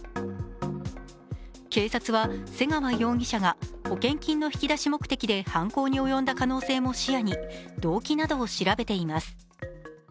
警察は瀬川容疑者が保険金の引き出し目的で犯行に及んだ可能性も視野に動機などを調べています。